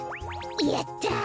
やった！